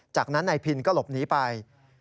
จากนั้นนายพินก็หลบหนีไป